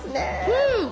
うん！